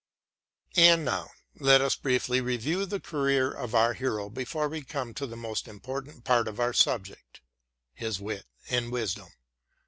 And now let us briefly review the career of our hero before we come to the most important part of our subject — ^his wit and wisdom.